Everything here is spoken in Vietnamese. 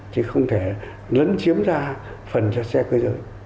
chứ không thể lấn chiếm ra phần cho xe cư dưỡng